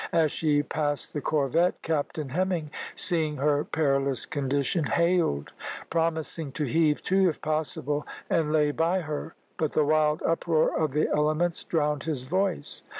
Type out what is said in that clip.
As she passed the corvette, Captain Hemming, seeing her perilous condition, hailed, promising to heave to if possible, and lay by her, but the wild uproar of the elements drowned his voice.